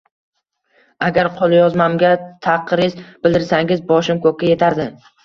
Agar qo`lyozmamga taqriz bildirsangiz, boshim ko`kka etardi